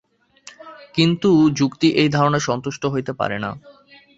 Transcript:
কিন্তু যুক্তি এই ধারণায় সন্তুষ্ট হইতে পারে না।